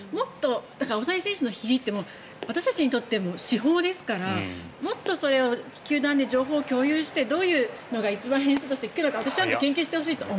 大谷選手のひじって私たちにとって至宝ですからもっと球団で情報を共有してどういうのが一番いいのか研究してほしいと思う。